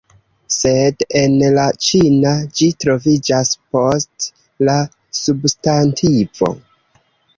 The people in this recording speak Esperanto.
Sed en la ĉina ĝi troviĝas post la substantivo